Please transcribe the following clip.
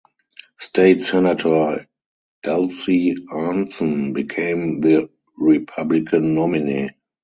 State senator Elsie Arntzen became the Republican nominee.